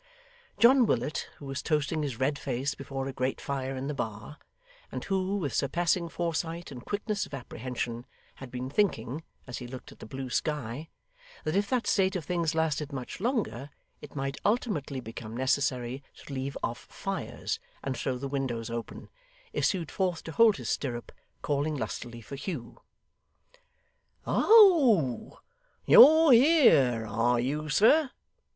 John Willet, who was toasting his red face before a great fire in the bar, and who, with surpassing foresight and quickness of apprehension, had been thinking, as he looked at the blue sky, that if that state of things lasted much longer, it might ultimately become necessary to leave off fires and throw the windows open, issued forth to hold his stirrup; calling lustily for Hugh. 'Oh, you're here, are you, sir?